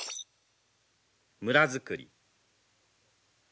「村づくり」。